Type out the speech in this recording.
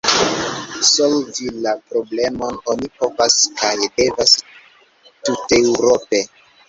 Solvi la problemon oni povas kaj devas tuteŭrope.